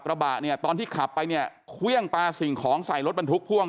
กระบะเนี่ยตอนที่ขับไปเนี่ยเครื่องปลาสิ่งของใส่รถบรรทุกพ่วง